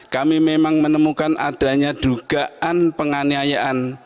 kami memang menemukan adanya dugaan penganiayaan